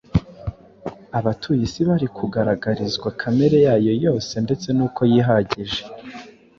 abatuye isi bari kugaragarizwa kamere yayo yose ndetse n’uko yihagije.